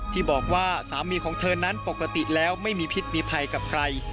ที่บอกว่าสามีของเธอนั้นปกติแล้วไม่มีพิษมีภัยกับใคร